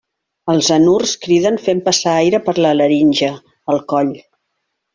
Els anurs criden fent passar aire per la laringe, al coll.